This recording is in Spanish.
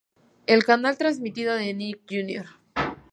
El canal ha transmitido de Nick Jr.